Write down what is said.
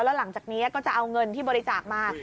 แล้วหลังจากนี้ก็จะเอาเงินที่บริจาคมา